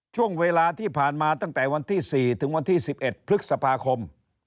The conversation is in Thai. ช่วงเวลาที่ผ่านมาตั้งแต่วันที่๔ถึงวันที่๑๑พฤษภาคม